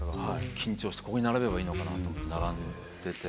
緊張してここに並べばいいのかなと思って並んでて。